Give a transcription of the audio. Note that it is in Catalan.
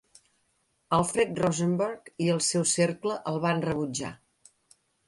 Alfred Rosenberg i el seu cercle el van rebutjar.